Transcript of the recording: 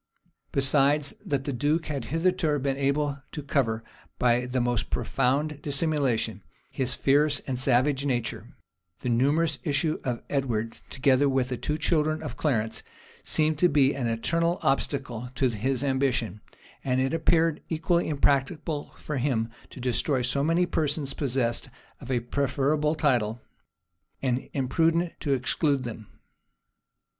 Besides that the duke had hitherto been able to cover, by the most profound dissimulation, his fierce and savage nature, the numerous issue of Edward, together with the two children of Clarence, seemed to be an eternal obstacle to his ambition; and it appeared equally impracticable for him to destroy so many persons possessed of a preferable title, and imprudent to exclude them.